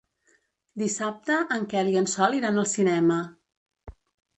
Dissabte en Quel i en Sol iran al cinema.